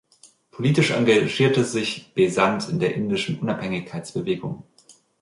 Politisch engagierte sich Besant in der indischen Unabhängigkeitsbewegung.